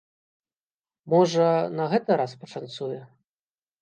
Можа, на гэты раз пашанцуе?